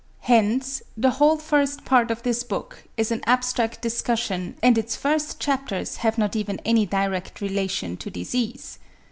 Hence the whole first part of this book is an abstract discussion and its first chapters have not even any direct relation to disease.